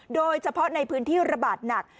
โดยเฉพาะในพื้นที่ระบาดหนัก